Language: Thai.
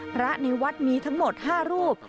พระในวัดมีทั้งหมด๕รูป